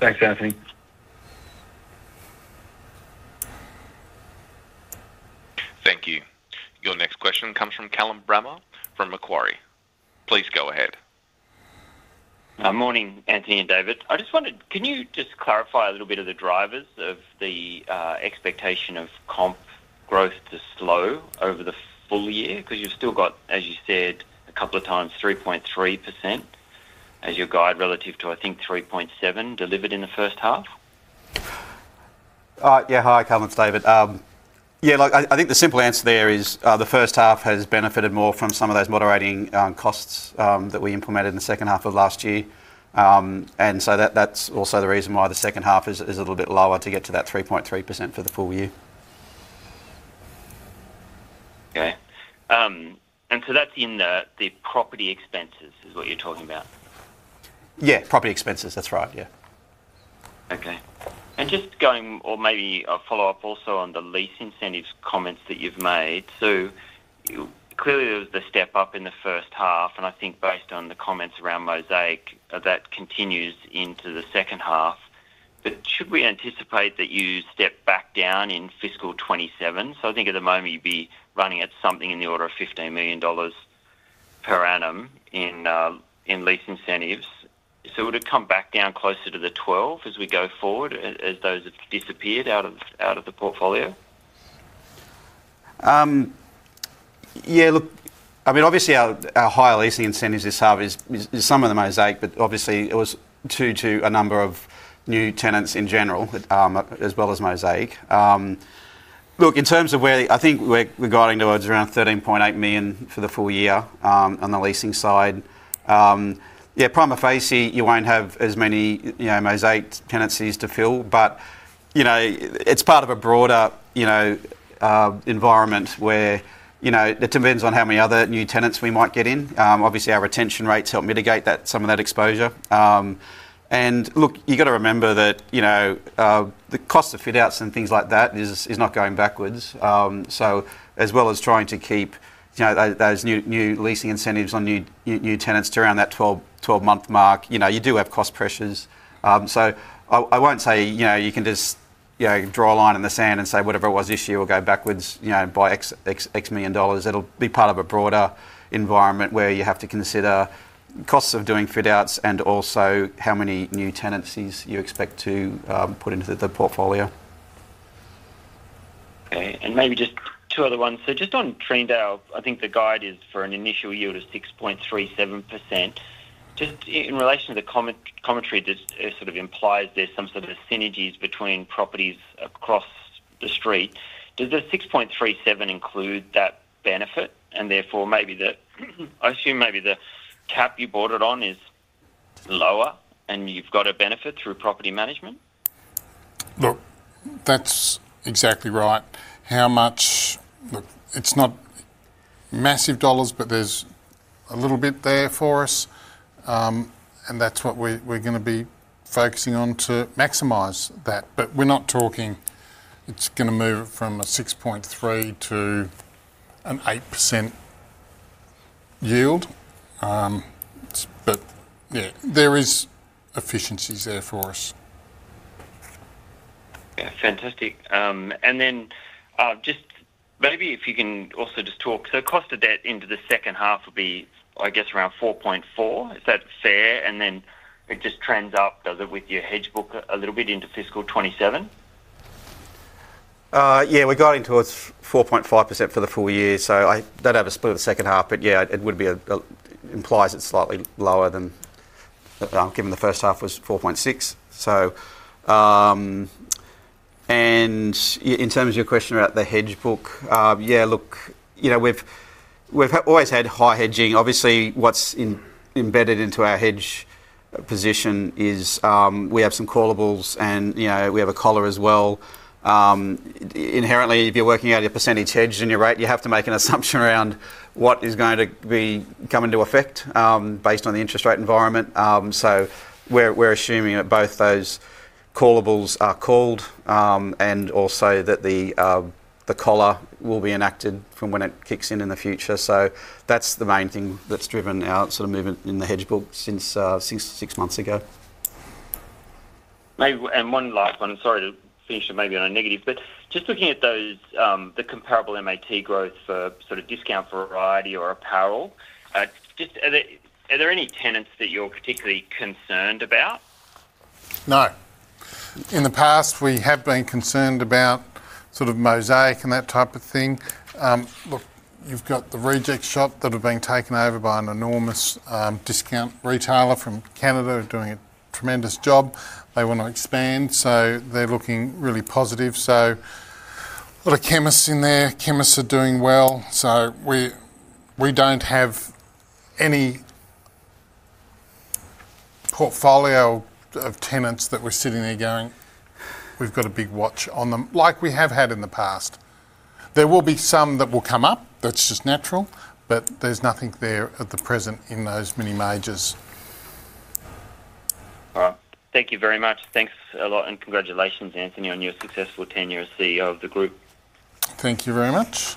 Thanks, Anthony. Thank you. Your next question comes from Callum Bramah from Macquarie. Please go ahead. Morning, Anthony and David. I just wondered, can you just clarify a little bit of the drivers of the expectation of comp growth to slow over the full year? Because you've still got, as you said a couple of times, 3.3% as your guide relative to, I think, 3.7% delivered in the first half. Yeah. Hi, Callum and David. Yeah. Look, I think the simple answer there is the first half has benefited more from some of those moderating costs that we implemented in the second half of last year. And so that's also the reason why the second half is a little bit lower to get to that 3.3% for the full year. Okay. That's in the property expenses is what you're talking about? Yeah. Property expenses. That's right. Yeah. Okay. And just going or maybe a follow-up also on the lease incentives comments that you've made. So clearly, there was the step up in the first half, and I think based on the comments around Mosaic, that continues into the second half. But should we anticipate that you step back down in fiscal 2027? So I think at the moment, you'd be running at something in the order of 15 million dollars per annum in lease incentives. So would it come back down closer to the 12 million as we go forward as those have disappeared out of the portfolio? Yeah. Look, I mean, obviously, our higher leasing incentives this half is some of the Mosaic, but obviously, it was due to a number of new tenants in general as well as Mosaic. Look, in terms of where I think we're guiding towards around 13.8 million for the full year on the leasing side. Yeah. Primary phase, you won't have as many Mosaic tenancies to fill, but it's part of a broader environment where it depends on how many other new tenants we might get in. Obviously, our retention rates help mitigate some of that exposure. And look, you've got to remember that the cost of fit-outs and things like that is not going backwards. So as well as trying to keep those new leasing incentives on new tenants to around that 12-month mark, you do have cost pressures. I won't say you can just draw a line in the sand and say, "Whatever it was this year, we'll go backwards by AUD X million." It'll be part of a broader environment where you have to consider costs of doing fit-outs and also how many new tenancies you expect to put into the portfolio. Okay. And maybe just two other ones. So just on Treendale, I think the guide is for an initial yield of 6.37%. Just in relation to the commentary that sort of implies there's some sort of synergies between properties across the street, does the 6.37% include that benefit and therefore maybe the I assume maybe the cap you bought it on is lower, and you've got a benefit through property management? Look, that's exactly right. Look, it's not massive dollars, but there's a little bit there for us, and that's what we're going to be focusing on to maximize that. But we're not talking it's going to move it from a 6.3%-8% yield. But yeah, there is efficiencies there for us. Yeah. Fantastic. And then just maybe if you can also just talk so cost of debt into the second half would be, I guess, around 4.4%. Is that fair? And then it just trends up, does it, with your hedge book a little bit into fiscal 2027? Yeah. We're guiding towards 4.5% for the full year. So I don't have a split of the second half, but yeah, it would be a implies it's slightly lower than given the first half was 4.6%. And in terms of your question about the hedge book, yeah, look, we've always had high hedging. Obviously, what's embedded into our hedge position is we have some callables, and we have a collar as well. Inherently, if you're working out your percentage hedge and your rate, you have to make an assumption around what is going to be coming to effect based on the interest rate environment. So we're assuming that both those callables are called and also that the collar will be enacted from when it kicks in in the future. So that's the main thing that's driven our sort of movement in the hedge book since six months ago. One last one. Sorry to finish it maybe on a negative. Just looking at the comparable MAT growth for sort of discount for variety or apparel, are there any tenants that you're particularly concerned about? No. In the past, we have been concerned about sort of Mosaic and that type of thing. Look, you've got The Reject Shop that have been taken over by an enormous discount retailer from Canada doing a tremendous job. They want to expand, so they're looking really positive. So a lot of chemists in there. Chemists are doing well. So we don't have any portfolio of tenants that we're sitting there going, "We've got a big watch on them," like we have had in the past. There will be some that will come up. That's just natural. But there's nothing there at the present in those many majors. All right. Thank you very much. Thanks a lot, and congratulations, Anthony, on your successful tenure as CEO of the Group. Thank you very much.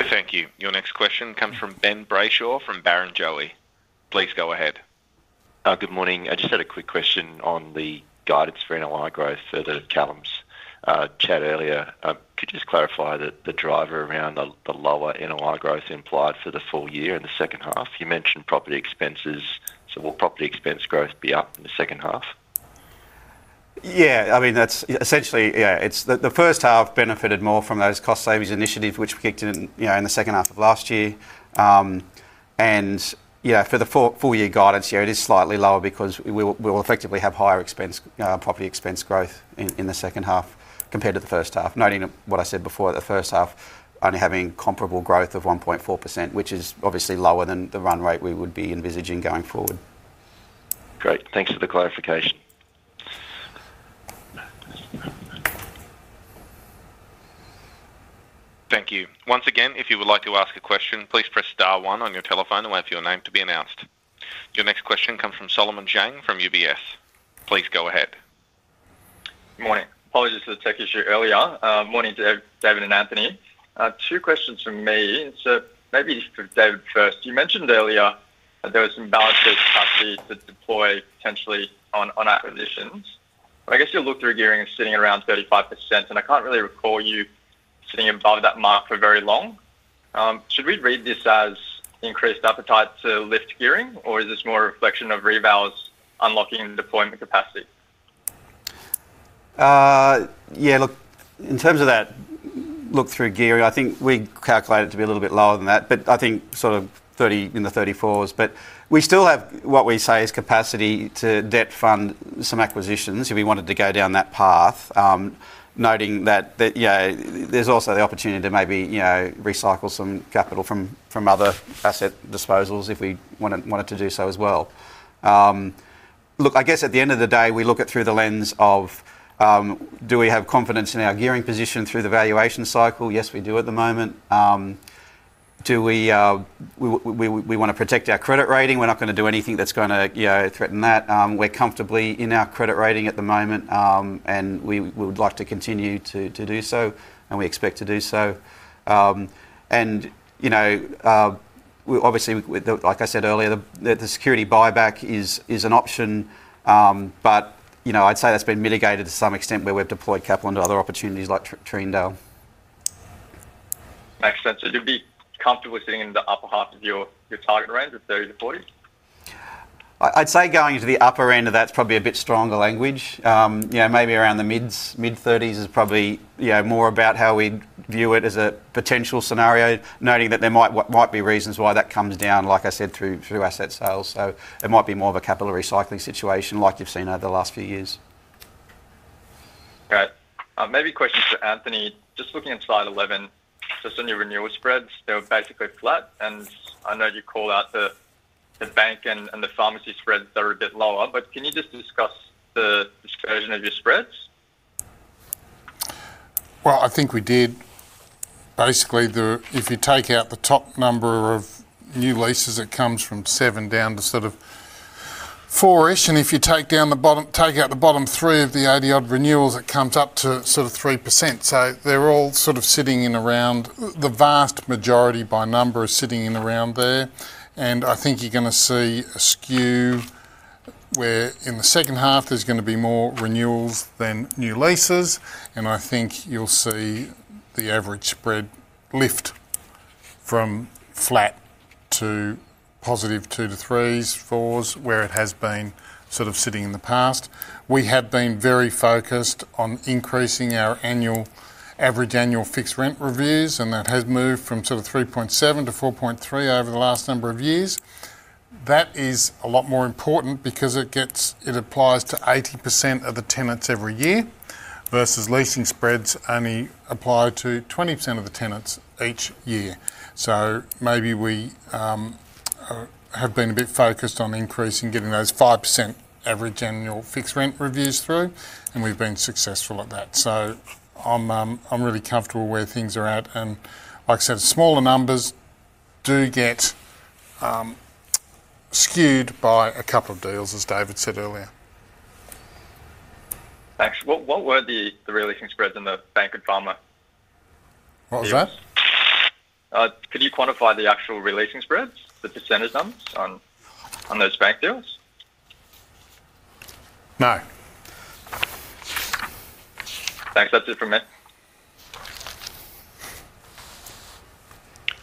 Thank you. Your next question comes from Ben Brayshaw from Barrenjoey. Please go ahead. Good morning. I just had a quick question on the guidance for NPI growth that Callum's chatted earlier. Could you just clarify the driver around the lower NPI growth implied for the full year and the second half? You mentioned property expenses. So will property expense growth be up in the second half? Yeah. I mean, essentially, yeah, the first half benefited more from those cost savings initiatives, which kicked in in the second half of last year. And for the full-year guidance, yeah, it is slightly lower because we will effectively have higher property expense growth in the second half compared to the first half, noting what I said before, the first half only having comparable growth of 1.4%, which is obviously lower than the run rate we would be envisaging going forward. Great. Thanks for the clarification. Thank you. Once again, if you would like to ask a question, please press star one on your telephone and wait for your name to be announced. Your next question comes from Solomon Zhang from UBS. Please go ahead. Good morning. Apologies for the tech issue earlier. Morning to David and Anthony. Two questions from me. So maybe for David first. You mentioned earlier that there was some balance sheet capacity to deploy potentially on acquisitions. But I guess you looked through gearing and sitting around 35%, and I can't really recall you sitting above that mark for very long. Should we read this as increased appetite to lift gearing, or is this more a reflection of revalues unlocking deployment capacity? Yeah. Look, in terms of that look through gearing, I think we calculated it to be a little bit lower than that, but I think sort of in the 34s. But we still have what we say is capacity to debt fund some acquisitions if we wanted to go down that path, noting that there's also the opportunity to maybe recycle some capital from other asset disposals if we wanted to do so as well. Look, I guess at the end of the day, we look at through the lens of, "Do we have confidence in our gearing position through the valuation cycle?" Yes, we do at the moment. We want to protect our credit rating. We're not going to do anything that's going to threaten that. We're comfortably in our credit rating at the moment, and we would like to continue to do so, and we expect to do so. And obviously, like I said earlier, the security buyback is an option, but I'd say that's been mitigated to some extent where we've deployed capital into other opportunities like Treendale. Makes sense. So you'd be comfortable sitting in the upper half of your target range, the 30s-40s? I'd say going into the upper end of that's probably a bit stronger language. Maybe around the mid-30s is probably more about how we view it as a potential scenario, noting that there might be reasons why that comes down, like I said, through asset sales. So it might be more of a capital recycling situation like you've seen over the last few years. Got it. Maybe a question for Anthony. Just looking at slide 11, just on your renewal spreads, they were basically flat. And I know you called out the bank and the pharmacy spreads that were a bit lower, but can you just discuss the dispersion of your spreads? Well, I think we did. Basically, if you take out the top number of new leases, it comes from 7 down to sort of 4-ish. And if you take out the bottom three of the 80-odd renewals, it comes up to sort of 3%. So they're all sort of sitting in around the vast majority by number is sitting in around there. And I think you're going to see a skew where in the second half, there's going to be more renewals than new leases. And I think you'll see the average spread lift from flat to positive 2 to 3s, 4s, where it has been sort of sitting in the past. We have been very focused on increasing our average annual fixed rent reviews, and that has moved from sort of 3.7% to 4.3% over the last number of years. That is a lot more important because it applies to 80% of the tenants every year versus leasing spreads only apply to 20% of the tenants each year. So maybe we have been a bit focused on increasing getting those 5% average annual fixed rent reviews through, and we've been successful at that. So I'm really comfortable where things are at. Like I said, smaller numbers do get skewed by a couple of deals, as David said earlier. Thanks. What were the re-leasing spreads in the bank and pharma? What was that? Could you quantify the actual re-leasing spreads, the percentage numbers on those bank deals? No. Thanks. That's it from me.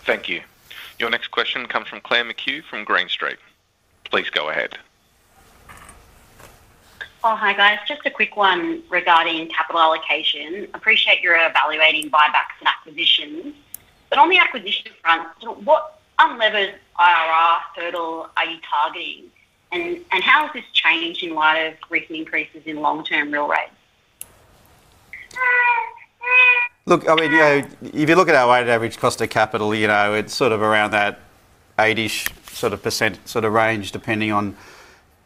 Thank you. Your next question comes from Claire McHugh from Green Street. Please go ahead. Oh, hi, guys. Just a quick one regarding capital allocation. Appreciate you're evaluating buybacks and acquisitions. But on the acquisition front, what unlevered IRR hurdle are you targeting, and how has this changed in light of recent increases in long-term real rates? Look, I mean, if you look at our weighted average cost of capital, it's sort of around that 8-ish% sort of range depending on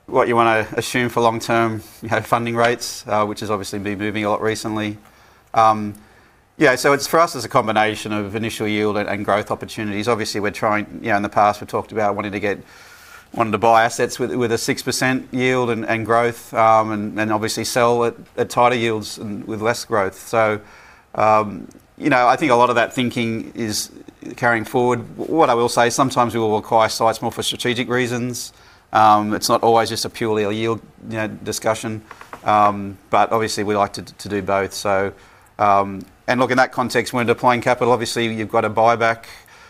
what you want to assume for long-term funding rates, which has obviously been moving a lot recently. Yeah. So for us, it's a combination of initial yield and growth opportunities. Obviously, in the past, we talked about wanting to buy assets with a 6% yield and growth and obviously sell at tighter yields with less growth. So I think a lot of that thinking is carrying forward. What I will say, sometimes we will acquire sites more for strategic reasons. It's not always just a purely a yield discussion, but obviously, we like to do both. Look, in that context, when deploying capital, obviously, you've got a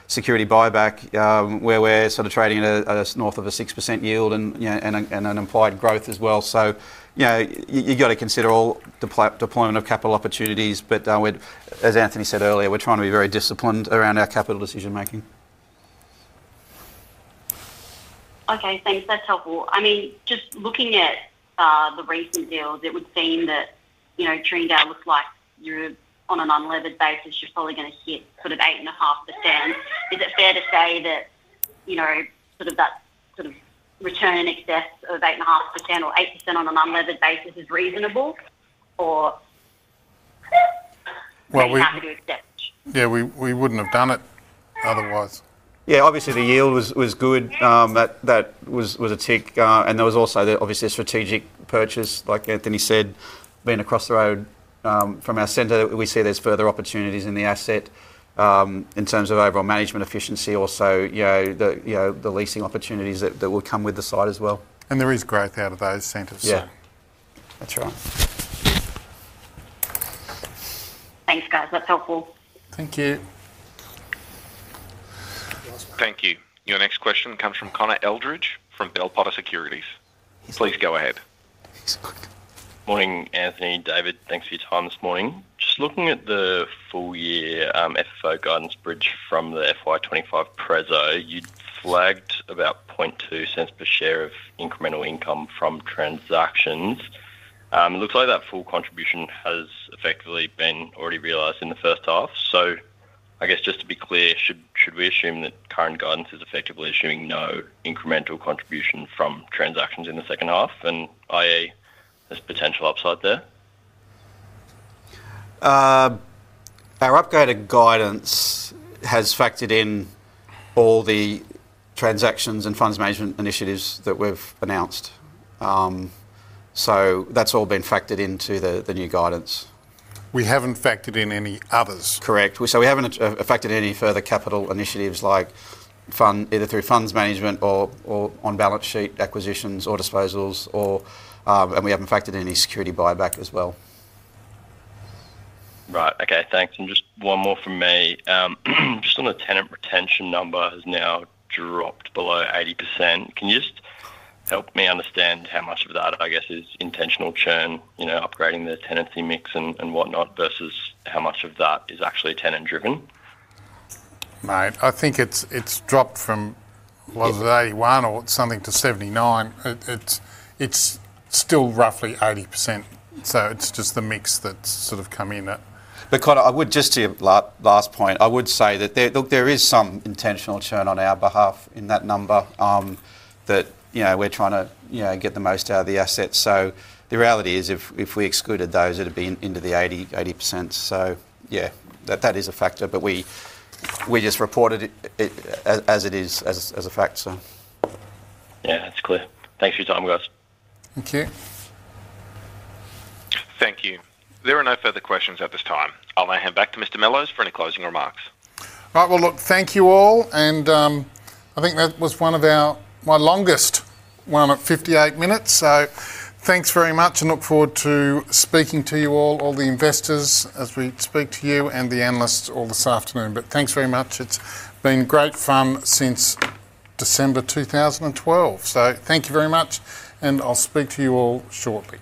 security buyback where we're sort of trading at north of a 6% yield and an implied growth as well. So you've got to consider all deployment of capital opportunities. But as Anthony said earlier, we're trying to be very disciplined around our capital decision-making. Okay. Thanks. That's helpful. I mean, just looking at the recent deals, it would seem that Treendale looks like you're on an unlevered basis. You're probably going to hit sort of 8.5%. Is it fair to say that sort of that sort of return in excess of 8.5% or 8% on an unlevered basis is reasonable, or do you have to accept? Yeah. We wouldn't have done it otherwise. Yeah. Obviously, the yield was good. That was a tick. There was also, obviously, a strategic purchase, like Anthony said, being across the road from our center. We see there's further opportunities in the asset in terms of overall management efficiency, also the leasing opportunities that will come with the site as well. There is growth out of those centers, so. Yeah. That's right. Thanks, guys. That's helpful. Thank you. Thank you. Your next question comes from Connor Eldridge from Bell Potter Securities. Please go ahead. Morning, Anthony, David. Thanks for your time this morning. Just looking at the full-year FFO guidance bridge from the FY 2025 Prezo, you'd flagged about 0.002 per share of incremental income from transactions. It looks like that full contribution has effectively been already realized in the first half. So I guess just to be clear, should we assume that current guidance is effectively assuming no incremental contribution from transactions in the second half, i.e., there's potential upside there? Our upgrade of guidance has factored in all the transactions and funds management initiatives that we've announced. So that's all been factored into the new guidance. We haven't factored in any others? Correct. So we haven't factored in any further capital initiatives either through funds management or on balance sheet acquisitions or disposals. And we haven't factored in any security buyback as well. Right. Okay. Thanks. Just one more from me. Just on the tenant retention number, it has now dropped below 80%. Can you just help me understand how much of that, I guess, is intentional churn, upgrading the tenancy mix and whatnot versus how much of that is actually tenant-driven? Mate, I think it's dropped from what was it, 81%, or something to 79%. It's still roughly 80%. So it's just the mix that's sort of come in that. But Connor, just to your last point, I would say that look, there is some intentional churn on our behalf in that number that we're trying to get the most out of the assets. So the reality is if we excluded those, it'd be into the 80%. So yeah, that is a factor, but we just reported it as it is, as a fact, so. Yeah. That's clear. Thanks for your time, guys. Thank you. Thank you. There are no further questions at this time. I'll now hand back to Mr. Mellowes for any closing remarks. All right. Well, look, thank you all. And I think that was one of my longest one at 58 minutes. So thanks very much, and look forward to speaking to you all, all the investors, as we speak to you, and the analysts all this afternoon. But thanks very much. It's been great fun since December 2012. So thank you very much, and I'll speak to you all shortly.